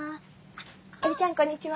江理ちゃんこんにちは。